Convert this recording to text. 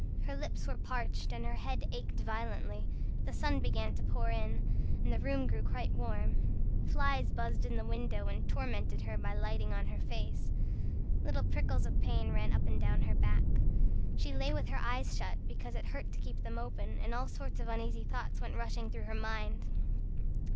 Her lips were parched and her head ached violently. The sun began to pour in, the room grew warm. Flies buzzed in the window, and tormented her by lighting on her face. Little prickles of pain ran up and down her back. She lay with her eyes shut, because it hurt to keep them open, and all sorts of uneasy thoughts went rushing through her mind.